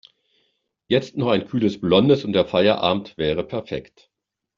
Jetzt noch ein kühles Blondes und der Feierabend wäre perfekt.